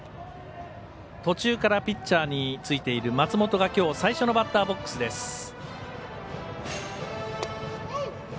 途中からピッチャーについている松本がきょう最初のバッターボックスです。